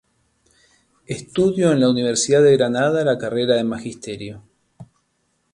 Estudio en la Universidad de Granada la carrera de Magisterio.